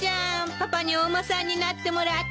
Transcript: パパにお馬さんになってもらって。